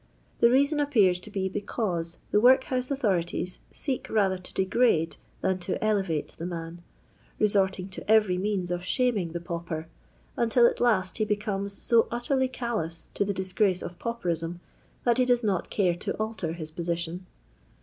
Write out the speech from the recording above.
The reason i4>peara to be because the workhouse autho rities seek rather to degrade than to elevate the man, resorting to every means of shaming the pauper, until at kst he becomes so utterly odious to the disgrace of pauperism that he does not care to alter his position.